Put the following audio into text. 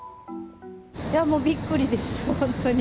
もうびっくりです、本当に。